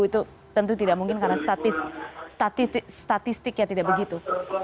itu tentu tidak mungkin karena statistik ya tidak begitu